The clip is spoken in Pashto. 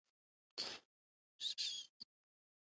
د مېلو له لاري خلکو ته د چاپېریال ساتني پیغام وررسېږي.